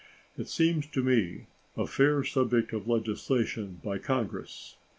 It seems to me a fair subject of legislation by Congress.